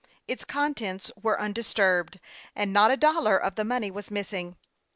Its contents were undisturbed, and not a dollar of the money was missing.